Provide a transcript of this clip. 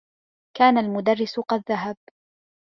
كان المدرّس قد ذهب.